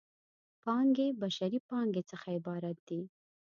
پانګې بشري پانګې څخه عبارت دی.